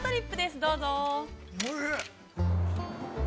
どうぞ。